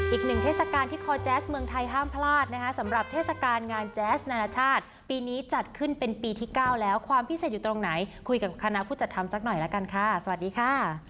เทศกาลที่คอแจ๊สเมืองไทยห้ามพลาดนะคะสำหรับเทศกาลงานแจ๊สนานาชาติปีนี้จัดขึ้นเป็นปีที่๙แล้วความพิเศษอยู่ตรงไหนคุยกับคณะผู้จัดทำสักหน่อยละกันค่ะสวัสดีค่ะ